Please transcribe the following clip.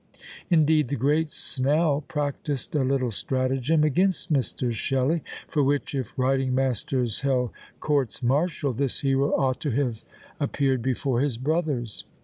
Indeed, the great Snell practised a little stratagem against Mr. Shelley, for which, if writing masters held courts martial, this hero ought to have appeared before his brothers.